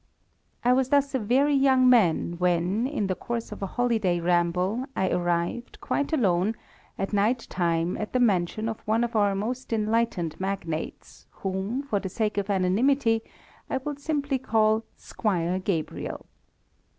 I was thus a very young man when, in the course of a holiday ramble, I arrived, quite alone, at night time, at the mansion of one of our most enlightened magnates, whom, for the sake of anonymity, I will simply call Squire Gabriel.